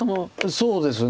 そうですね。